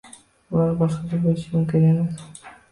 Ular boshqacha bo'lishi mumkin emas